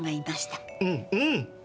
うんうん。